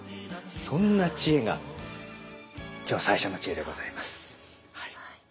そんな知恵が今日最初の知恵でございます。